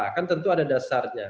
kan tentu ada dasarnya